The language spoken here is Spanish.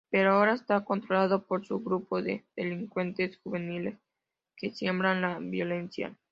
Pero ahora está controlado por un grupo de delincuentes juveniles que siembran la violencia.